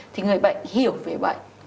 thì người bệnh hiểu về bệnh